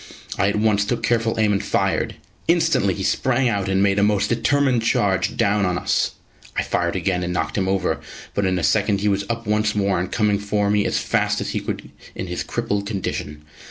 I at once took careful aim and fired. Instantly he sprang out and made a most determined charge down on us. I fired again and knocked him over; but in a second he was up once more and coming for me as fast as he could in his crippled condition.